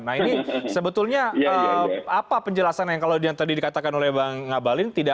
nah ini sebetulnya apa penjelasan yang kalau yang tadi dikatakan oleh bang ngabalin